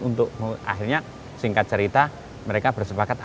untuk akhirnya singkat cerita mereka bersepakat